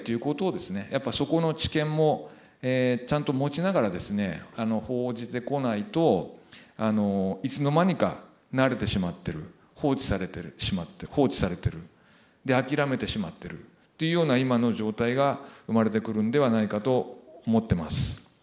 やっぱそこの知見もちゃんと持ちながらですね報じてこないといつの間にか慣れてしまってる放置されてるで諦めてしまってるというような今の状態が生まれてくるのではないかと思ってます。